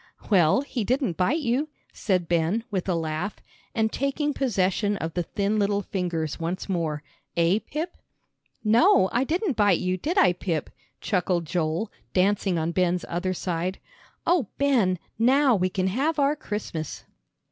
"Well, he didn't bite you," said Ben, with a laugh, and taking possession of the thin little fingers once more, "eh, Pip?" "No, I didn't bite you, did I, Pip?" chuckled Joel, dancing on Ben's other side. "Oh, Ben, now we can have our Christmas!"